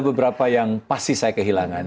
beberapa yang pasti saya kehilangan